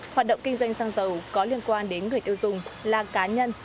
hoạt động kinh doanh xăng dầu có liên quan đến người tiêu dùng là cá nhân